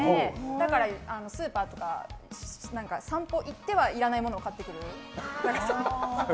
だからスーパーとか散歩行ってはいらないものを買ってくる。